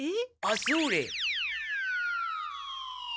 あそれ。